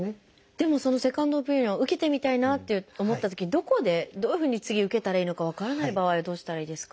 でもそのセカンドオピニオンを受けてみたいなと思ったときにどこでどういうふうに次受けたらいいのか分からない場合はどうしたらいいですか？